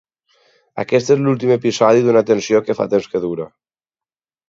Aquest és l’últim episodi d’una tensió que fa temps que dura.